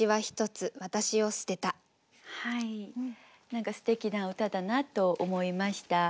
何かすてきな歌だなと思いました。